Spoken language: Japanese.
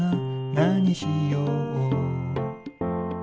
「なにしよう？」